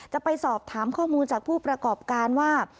จะไปสอบถามข้อมูลจากผู้ประกอบการว่า